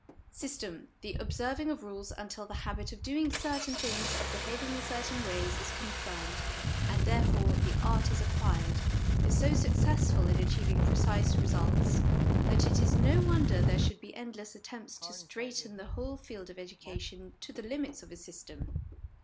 System the observing of rules until the habit of doing certain things, of behaving in certain ways, is confirmed, and, therefore, the art is acquired is so successful in achieving precise results, that it is no wonder there should be endless attempts to straiten the whole field of education to the limits of a system.